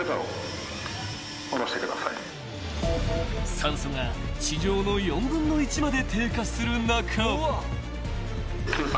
［酸素が地上の４分の１まで低下する中］